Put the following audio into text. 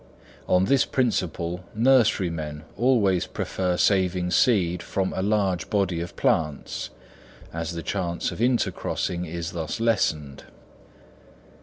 On this principle nurserymen always prefer saving seed from a large body of plants, as the chance of intercrossing is thus lessened.